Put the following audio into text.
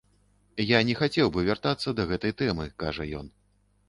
Я не хацеў бы вяртацца да гэтай тэмы, кажа ён.